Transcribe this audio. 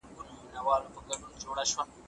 کورني اصول ماشوم ته نظم ورښيي.